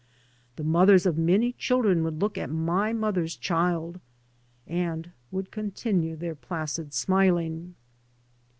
.The mothers of many children would look at my mother's child, — and would continue their placid smiling.